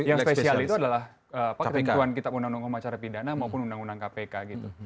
yang spesial itu adalah ketentuan kitab undang undang acara pidana maupun undang undang kpk gitu